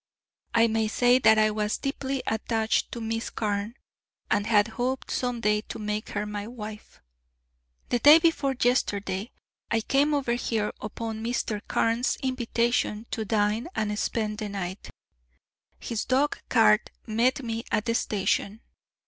I may say that I was deeply attached to Miss Carne, and had hoped some day to make her my wife. The day before yesterday I came over here upon Mr. Carne's invitation to dine and spend the night. His dogcart met me at the station.